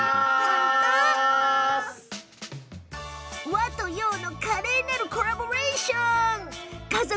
和と洋の華麗なるコラボレーション。